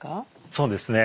そうですね